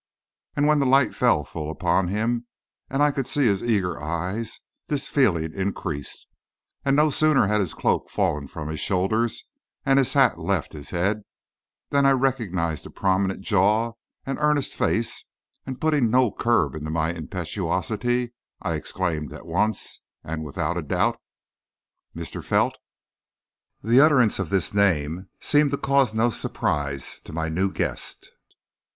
And when the light fell full upon him, and I could see his eager eyes, this feeling increased, and no sooner had his cloak fallen from his shoulders and his hat left his head, than I recognized the prominent jaw and earnest face, and putting no curb on my impetuosity, I exclaimed at once, and without a doubt: "Mr. Felt!" The utterance of this name seemed to cause no surprise to my new guest.